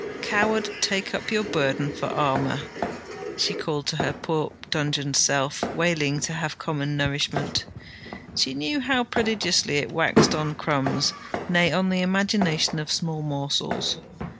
Coward, take up your burden for armour! she called to her poor dungeoned self wailing to have common nourishment. She knew how prodigiously it waxed on crumbs; nay, on the imagination of small morsels.